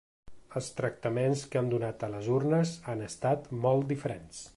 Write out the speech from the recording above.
Els tractaments que han donat a les urnes han estat molt diferents.